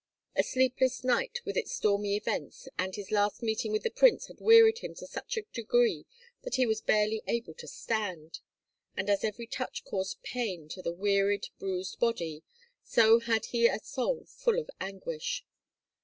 A sleepless night with its stormy events, and his last meeting with the prince had wearied him to such a degree that he was barely able to stand. And as every touch causes pain to a wearied, bruised body, so had he a soul full of anguish.